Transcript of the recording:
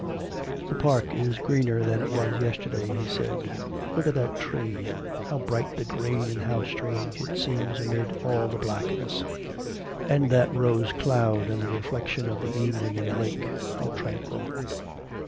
'The park is greener than it was yesterday,' he said. 'Look at that tree! How bright the green, and how strange it seems amid all the blackness.' 'And that rose cloud and the reflection of the evening in the lake, how tranquil.'